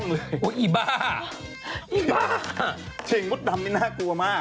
มันจะมีอันหนึ่งที่ไทยแซลบอกว่า